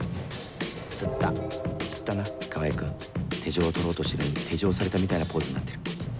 つったつったな川合君手錠を取ろうとしてるのに手錠されたみたいなポーズになってる